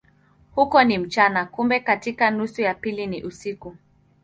Huko ni mchana, kumbe katika nusu ya pili ni usiku.